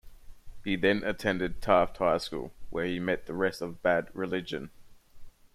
He then attended Taft High School, where he met the rest of Bad Religion.